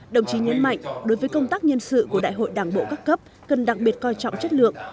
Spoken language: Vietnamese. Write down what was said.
đồng chí nhấn mạnh đối với công tác nhân sự của đại hội đảng bộ các cấp cần đặc biệt coi trọng chất lượng